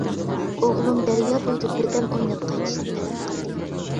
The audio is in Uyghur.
ئوغلۇم دەريا بويىدا بىردەم ئويناپ قايتىشنى تەلەپ قىلدى.